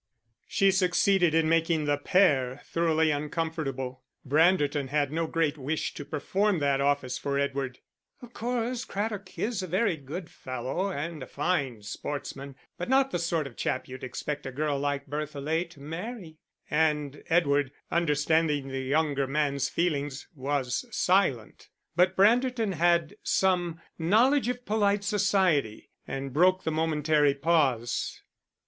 She succeeded in making the pair thoroughly uncomfortable. Branderton had no great wish to perform that office for Edward "of course, Craddock is a very good fellow, and a fine sportsman, but not the sort of chap you'd expect a girl like Bertha Ley to marry." And Edward, understanding the younger man's feelings, was silent. But Branderton had some knowledge of polite society, and broke the momentary pause.